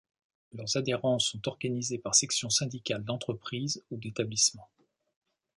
Leurs adhérents sont organisés par section syndicale d'entreprise ou d'établissement.